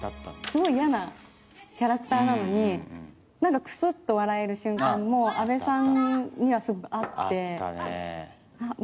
すごい嫌なキャラクターなのに何かクスッと笑える瞬間も阿部さんにはすごくあってあったあったあったね